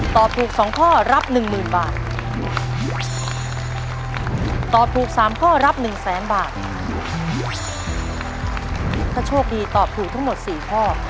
ถ้าโชคดีตอบถูกทั้งหมด๔ข้อ